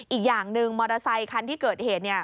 อีกอย่างหนึ่งมอเตอร์ไซคันที่เกิดเหตุ